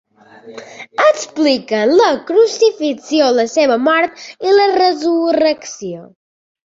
Expliquen la crucifixió, la seva mort i la resurrecció.